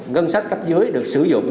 ngân sách cấp dưới được sử dụng